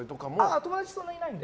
友達そんないないので。